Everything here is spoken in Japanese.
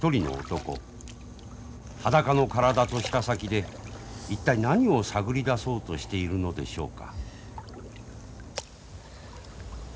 裸の体と舌先で一体何を探り出そうとしているのでしょうか。